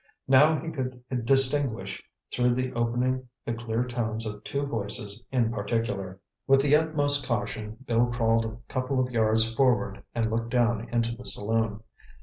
Now he could distinguish through the opening the clear tones of two voices in particular. With the utmost caution, Bill crawled a couple of yards forward and looked down into the saloon.